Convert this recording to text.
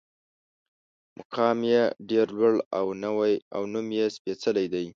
مقام یې ډېر لوړ او نوم یې سپېڅلی دی.